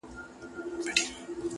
له خوښیو په جامو کي نه ځاېږي-